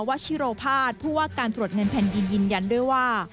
ชิโรภาสผู้ว่าการตรวจเงินแผ่นดินยืนยันด้วยว่า